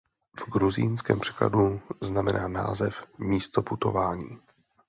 V gruzínském překladu znamená název "místo putování".